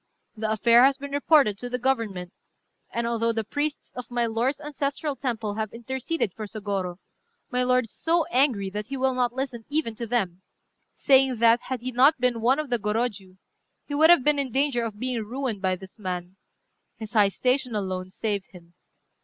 The affair has been reported to the Government; and although the priests of my lord's ancestral temple have interceded for Sôgorô, my lord is so angry that he will not listen even to them, saying that, had he not been one of the Gorôjiu, he would have been in danger of being ruined by this man: his high station alone saved him.